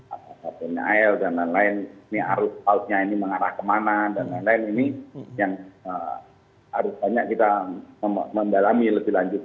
apakah tni al dan lain lain ini arus pautnya ini mengarah kemana dan lain lain ini yang harus banyak kita mendalami lebih lanjut